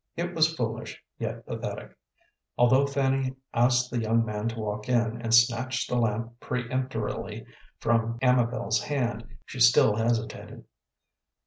It was foolish, yet pathetic. Although Fanny asked the young man to walk in, and snatched the lamp peremptorily from Amabel's hand, she still hesitated.